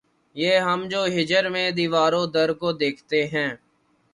یہ ہم جو ہجر میں‘ دیوار و در کو دیکھتے ہیں